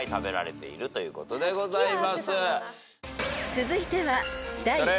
［続いては］